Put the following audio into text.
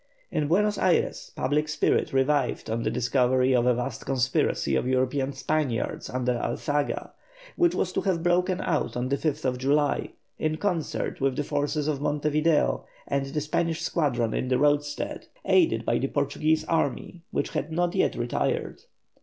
In Buenos Ayres public spirit revived on the discovery of a vast conspiracy of European Spaniards under Alzaga, which was to have broken out on the 5th July, in concert with the forces in Monte Video and the Spanish squadron in the roadstead, aided by the Portuguese army, which had not yet retired.